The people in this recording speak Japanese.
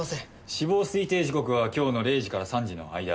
死亡推定時刻は今日の０時から３時の間。